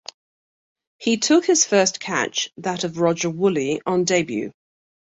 His took his first catch, that of Roger Woolley on debut.